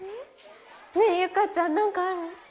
ねえ結佳ちゃん何かある？